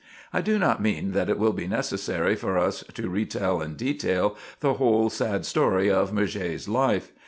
I do not mean that it will be necessary for us to retell in detail the whole sad story of Murger's life.